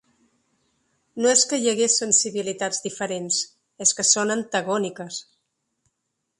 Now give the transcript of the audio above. No és que hi hagués sensibilitats diferents, és que són antagòniques.